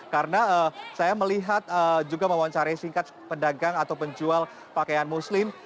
karena saya melihat juga mewawancari singkat pedagang atau penjual pakaian muslim